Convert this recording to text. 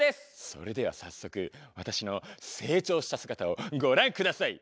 それでは早速私の成長した姿をご覧下さい。